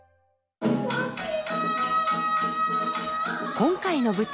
今回の舞台